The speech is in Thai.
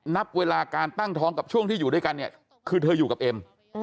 นับเวลาการตั้งท้องกับช่วงที่อยู่ด้วยกันเนี่ยคือเธออยู่กับเอ็ม